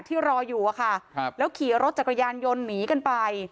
รออยู่อะค่ะแล้วขี่รถจักรยานยนต์หนีกันไป